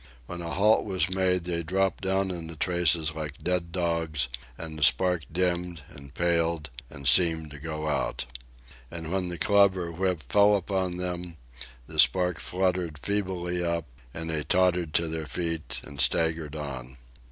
When a halt was made, they dropped down in the traces like dead dogs, and the spark dimmed and paled and seemed to go out. And when the club or whip fell upon them, the spark fluttered feebly up, and they tottered to their feet and staggered on.